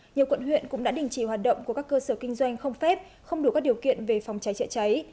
nhiều quận huyện cũng đã đình chỉ hoạt động của các cơ sở kinh doanh không phép không đủ các điều kiện về phòng cháy chữa cháy